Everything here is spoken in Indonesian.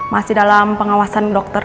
masih dalam pengawasan dokter